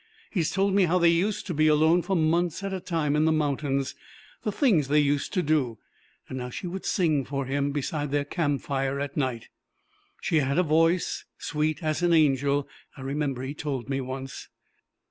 He's told me how they used to be alone for months at a time in the mountains, the things they used to do, and how she would sing for him beside their campfire at night. 'She had a voice sweet as an angel,' I remember he told me once.